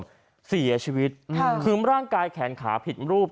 เสียชีวิตค่ะคือร่างกายแขนขาผิดรูป